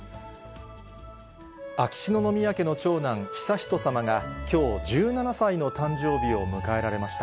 秋篠宮家の長男、悠仁さまがきょう、１７歳の誕生日を迎えられました。